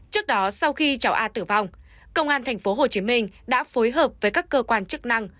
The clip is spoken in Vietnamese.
trước đó sau khi cháu a tử vong công an tp hcm đã phối hợp với các cơ quan chức năng